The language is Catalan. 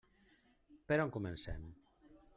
Per on comencem?